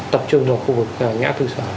tập trung vào khu vực ngã tư sở